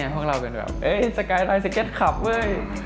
พวกเราเป็นแบบสกายลายสเก็ตคลับเว้ย